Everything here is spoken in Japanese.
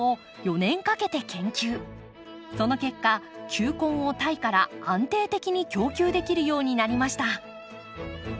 その結果球根をタイから安定的に供給できるようになりました。